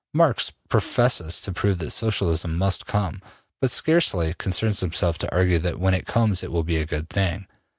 Marx professes to prove that Socialism must come, but scarcely concerns himself to argue that when it comes it will be a good thing.